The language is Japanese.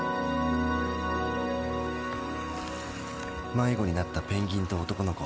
迷子になったペンギンと男の子。